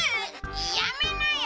やめなよ！